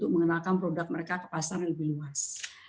mengenalkan produk mereka ke pasar yang lebih luas